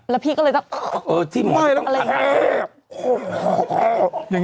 แล้วพี่ก็เลยต้อง